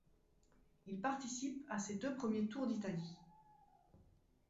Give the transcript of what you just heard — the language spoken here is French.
Il participe à ses deux premiers Tours d'Italie.